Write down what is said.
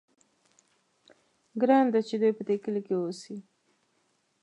ګرانه ده چې دوی په دې کلي کې واوسي.